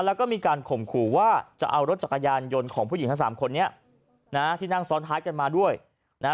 แล้วก็มีการข่มขู่ว่าจะเอารถจักรยานยนต์ของผู้หญิงทั้งสามคนนี้นะฮะที่นั่งซ้อนท้ายกันมาด้วยนะฮะ